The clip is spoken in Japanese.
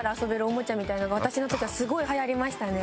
おもちゃみたいなのが私の時はすごいはやりましたね。